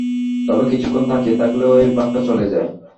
তবে কিছুক্ষণ তাকিয়ে থাকলে এই ভাবটা চলে যায়।